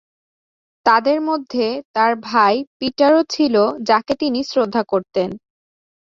তাদের মধ্যে তার ভাই পিটার ও ছিল যাকে তিনি শ্রদ্ধা করতেন।